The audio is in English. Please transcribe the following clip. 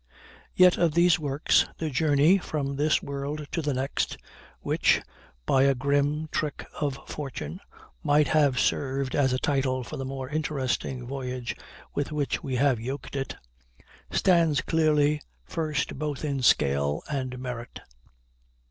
Yet of these works, the Journey from this World to the Next (which, by a grim trick of fortune, might have served as a title for the more interesting Voyage with which we have yoked it) stands clearly first both in scale and merit.